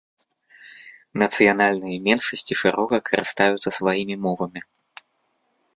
Нацыянальныя меншасці шырока карыстаюцца сваімі мовамі.